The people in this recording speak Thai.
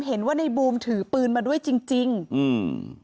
เห็นว่าในบูมถือปืนมาด้วยจริงจริงอืม